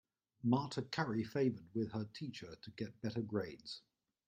Marta curry favored with her teacher to get better grades.